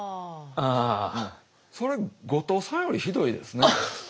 それ後藤さんよりひどいですね。